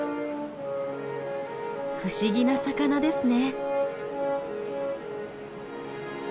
不思議な魚ですね。